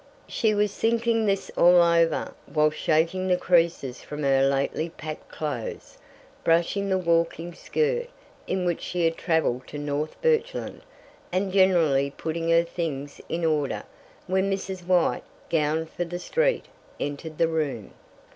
She was thinking this all over, while shaking the creases from her lately packed clothes, brushing the walking skirt, in which she had traveled to North Birchland, and generally putting her things in order, when Mrs. White, gowned for the street, entered the room.